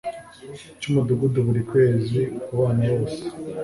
cy'umudugudu buri kwezi ku bana bose